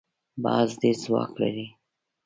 باز ډېر ځواک لري